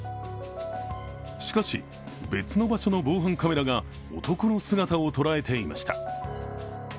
しかし、別の場所の防犯カメラが男の姿を捉えていました。